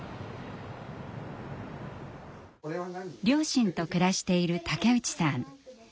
両親と暮らしている竹内さん。